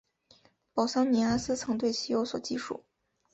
保桑尼阿斯曾对其有所记述。